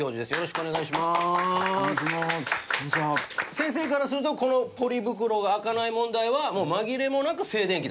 先生からするとこのポリ袋が開かない問題はもう紛れもなく静電気だと？